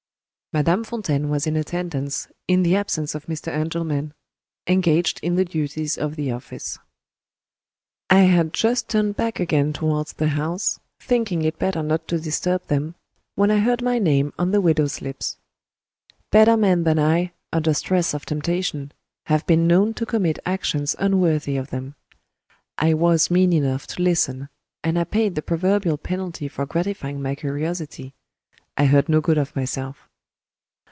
Madame Fontaine was in attendance, in the absence of Mr. Engelman, engaged in the duties of the office. I had just turned back again towards the house, thinking it better not to disturb them, when I heard my name on the widow's lips. Better men than I, under stress of temptation, have been known to commit actions unworthy of them. I was mean enough to listen; and I paid the proverbial penalty for gratifying my curiosity I heard no good of myself.